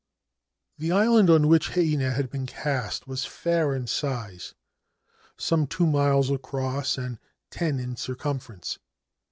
The island on which Heinei had been cast was fair in size — some two miles across and ten in circumference.